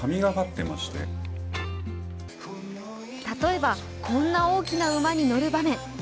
例えば、こんな大きな馬に乗る場面。